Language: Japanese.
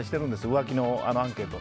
浮気のアンケート。